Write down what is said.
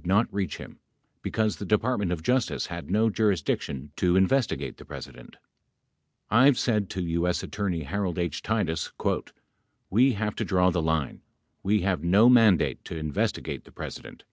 81 not reach him because the Department of Justice had no jurisdiction to investigate the President: I've said to [U.S. Attorney Harold H.] Titus "We have to draw the line. We have no mandate to investigate the Presi dent.